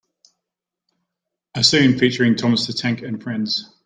A scene featuring Thomas the Tank and friends.